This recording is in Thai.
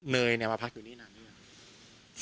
เนยเนี่ยมาพักอยู่นี่นานนี่เหรอ